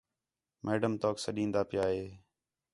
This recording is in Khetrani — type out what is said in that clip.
میڈم توک سڈینا پیا ہے